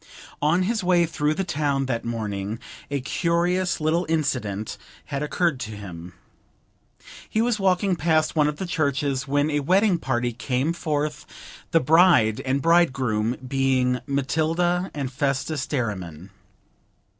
On his way through the town that morning a curious little incident had occurred to him. He was walking past one of the churches when a wedding party came forth, the bride and bridegroom being Matilda and Festus Derriman.